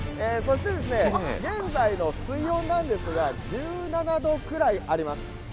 そして現在の水温なんですが、１７度くらいあります。